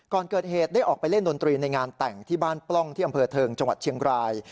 ก่อนเกิดเหตุได้ออกไปเล่นดนตรีในงานแต่งที่บ้านปล้องที่อำเภอเทิงจังหวัดเชียงราย